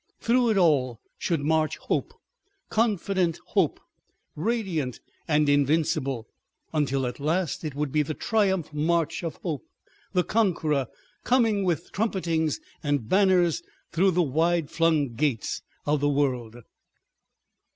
Through it all should march Hope, confident Hope, radiant and invincible, until at last it would be the triumph march of Hope the conqueror, coming with trumpetings and banners through the wide flung gates of the world.